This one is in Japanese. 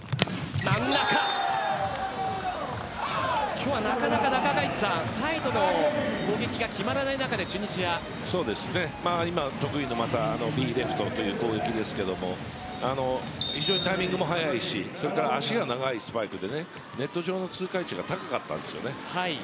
今日はなかなかサイドの攻撃が決まらない中で今、得意の攻撃ですが、タイミングも早いしそれから足が長いスパイクでネット上の通過位置が高かったんですね。